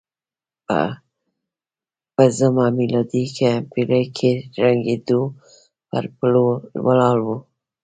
په پځمه میلادي پېړۍ کې ړنګېدو پر پوله ولاړ و.